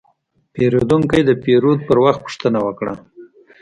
پیرودونکی د پیرود پر وخت پوښتنه وکړه.